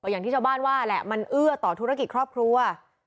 อย่างที่ชาวบ้านว่าแหละมันเอื้อต่อธุรกิจครอบครัว